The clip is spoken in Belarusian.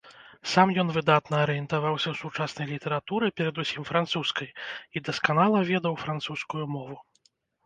Сам ён выдатна арыентаваўся ў сучаснай літаратуры, перадусім французскай, і дасканала ведаў французскую мову.